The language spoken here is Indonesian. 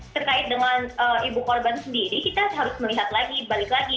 terkait dengan ibu korban sendiri kita harus melihat lagi balik lagi